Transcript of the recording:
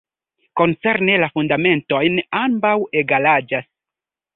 Koncerne la fundamentojn ambaŭ egalaĝas.